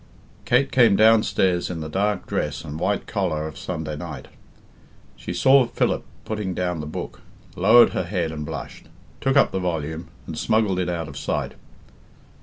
Kate came downstairs in the dark dress and white collar of Sunday night. She saw Philip putting down the book, lowered her head and blushed, took up the volume, and smuggled it out of sight.